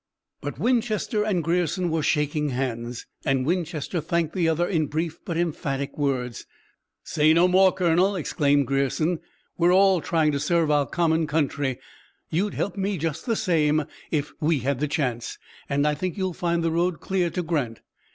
But Winchester and Grierson were shaking hands, and Winchester thanked the other in brief but emphatic words. "Say no more, colonel," exclaimed Grierson. "We're all trying to serve our common country. You'd help me just the same if we had the chance, and I think you'll find the road clear to Grant.